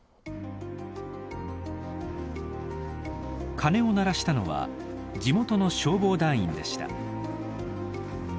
鐘を鳴らしたのは地元の消防団員でした。